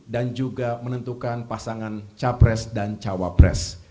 dan juga menentukan pasangan capres dan cawapres